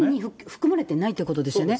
含まれてないということですよね。